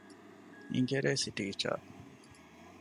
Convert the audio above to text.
އިނގިރޭސި ޓީޗަރ